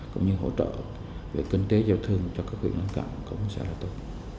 cũng như hỗ trợ về kinh tế giao thương cho các huyện ấn cộng cũng sẽ là tốt